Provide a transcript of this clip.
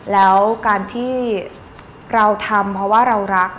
แล้วการที่เราทำเพราะว่าเรารัก